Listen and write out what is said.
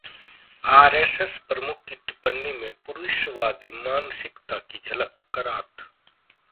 RSS प्रमुख की टिप्पणी में पुरुषवादी मानसिकता की झलक: करात